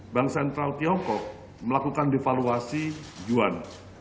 bank sentral tiongkok melakukan devaluasi juan